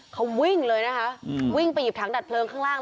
เขาวิ่งเลยนะคะวิ่งไปหยิบถังดับเพลิงข้างล่าง